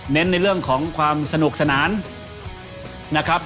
ในเรื่องของความสนุกสนานนะครับ